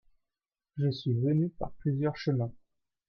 Je suis venu par plusieurs chemins.